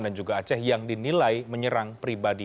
dan juga aceh yang dinilai menyerang pribadi